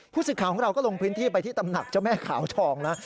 ผู้สื่อข่าวของเราก็ลงพื้นที่ไปที่ตำหนักเจ้าแม่ขาวทองนะ